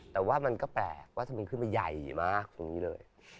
แต่ว่ามันก็แปลกว่าจะบินขึ้นไปใหญ่มากตรงนี้เลย